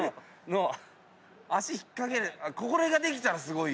脚引っかけるこれができたらすごいよ。